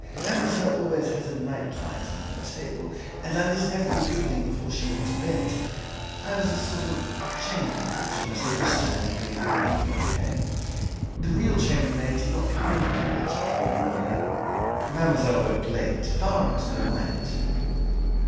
Mademoiselle always had a nightlight on her table, and I lit it every evening before she went to bed. I was a sort of chambermaid, you must understand, when the evening came. The real chambermaid did not come here much before the morning. Mademoiselle worked late far into the night."